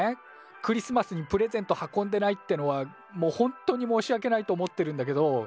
クリスマスにプレゼント運んでないってのはもうほんとに申し訳ないと思ってるんだけど。